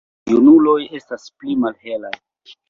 Junuloj estas pli malhelaj.